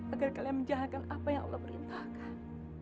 agar kalian menjalankan apa yang allah perintahkan